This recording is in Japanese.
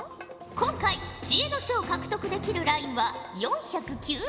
今回知恵の書を獲得できるラインは４９０ほぉじゃ。